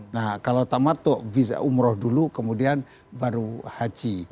nah kalau tama to umroh dulu kemudian baru haji